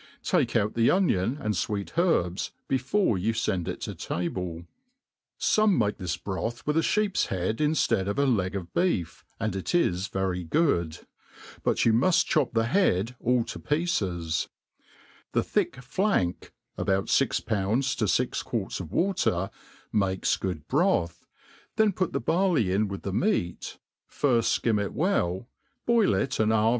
Take out the onion and fwect herbs before you fend it to tabic. Some make this broth With a Iheep's head inftcad of a leg of beef, and it is .very^good > but you muft chop the head all to '^ T ^. pieccsv • t MADE PLAIN AND EASY. 133 pieces* The thick flank (about fix pounds to fix quarts of water) makes good broth; then put the barley in with the meat, firft Ikim it well, boil it an houi?'